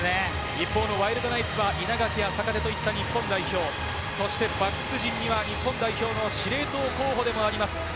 一方、ワイルドナイツは稲垣、坂手といった日本代表、そしてバックス陣には日本代表の司令塔候補でもあります。